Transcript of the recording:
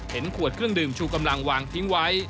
ขวดเครื่องดื่มชูกำลังวางทิ้งไว้